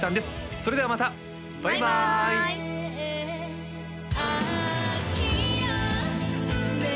それではまたバイバーイねえ